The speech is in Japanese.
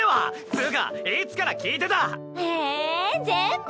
つぅかいつから聞いてた⁉ええ全部。